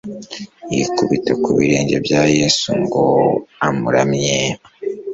Yikubita ku birenge bya Yesu ngo amuramye.